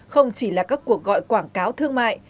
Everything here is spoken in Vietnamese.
không chỉ là các cuộc gọi quảng cáo thương mại